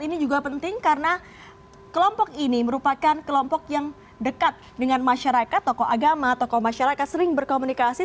ini juga penting karena kelompok ini merupakan kelompok yang dekat dengan masyarakat tokoh agama tokoh masyarakat sering berkomunikasi